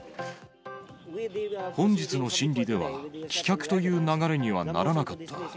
本日の審理では、棄却という流れにはならなかった。